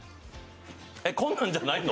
えっ、こんなんじゃないの？